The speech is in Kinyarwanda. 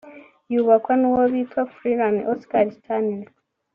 yubakwa n’uwo bita Freelan Oscar Stanley